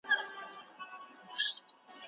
اې...